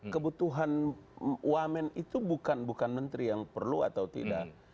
kebutuhan wamen itu bukan menteri yang perlu atau tidak